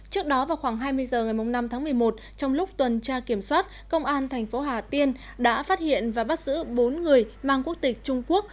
trước đó vào khoảng hai mươi h ngày năm tháng một mươi một trong lúc tuần tra kiểm soát công an thành phố hà tiên đã phát hiện và bắt giữ bốn người mang quốc tịch trung quốc